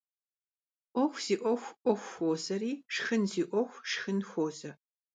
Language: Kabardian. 'uexu zi 'uexu 'uexu 'uoş'eri, şşxın zi 'uexu şşxın 'uoş'e.